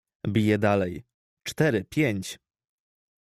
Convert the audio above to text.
"Bije dalej: cztery, pięć!"